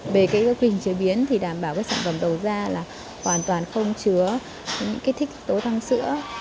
bề cây gốc hình chế biến thì đảm bảo các sản phẩm đối ra là hoàn toàn không chứa những kích thích tố tăng sữa